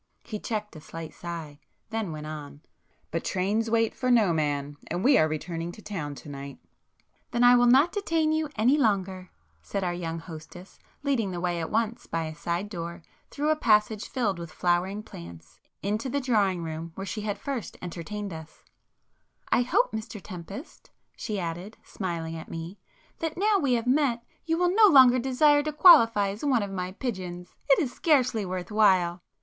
He checked a slight sigh,—then [p 237] went on—"But trains wait for no man, and we are returning to town to night." "Then I will not detain you any longer," said our young hostess, leading the way at once by a side door, through a passage filled with flowering plants, into the drawing room where she had first entertained us—"I hope, Mr Tempest," she added, smiling at me,—"that now we have met, you will no longer desire to qualify as one of my pigeons! It is scarcely worth while!"